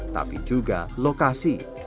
tapi juga lokasi